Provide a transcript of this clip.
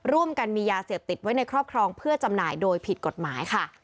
ร่วมกันมียาเสพติดไว้ในครอบครองเพื่อจำหน่ายโดยผิดกฎหมายค่ะ